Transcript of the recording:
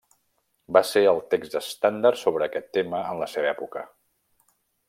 Va ser el text estàndard sobre aquest tema en la seva època.